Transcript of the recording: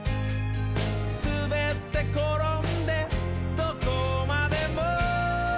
「すべってころんでどこまでも」